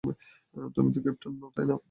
তুমি তো ক্যাপ্টেন নও, তাই না?